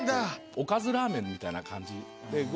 おかずラーメンみたいな感じ。